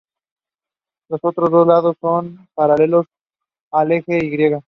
Los otros dos lados son paralelos al eje y.